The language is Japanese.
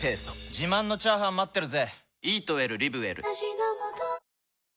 自慢のチャーハン待ってるぜ！